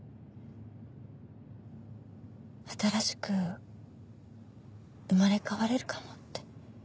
新しく生まれ変われるかもって。